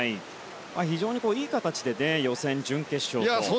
非常にいい形で予選、準決勝と。